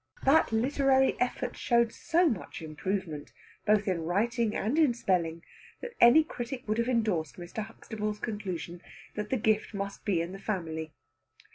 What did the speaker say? That literary effort showed so much improvement, both in writing and in spelling, that any critic would have endorsed Mr. Huxtable's conclusion that the gift must be in the family.